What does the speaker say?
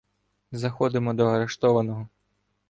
Заходимо до арештованого.